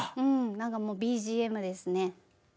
うん何かもうＢＧＭですね